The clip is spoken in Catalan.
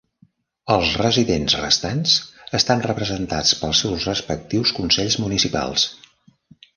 Els residents restants estan representats pels seus respectius consells municipals.